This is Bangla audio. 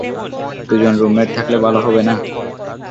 দুজন রুমমেট থাকলে ভালো হবে না?